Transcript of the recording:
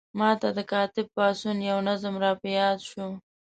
ما ته د کاتب پاڅون یو نظم را په یاد شو.